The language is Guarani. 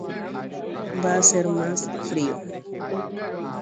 Ho'ysãvejeýta.